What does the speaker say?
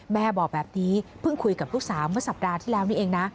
แม่บอกแบบนี้เพิ่งคุยกับลูกสาวเมื่อสัปดาห์ที่แล้วนี่เองนะ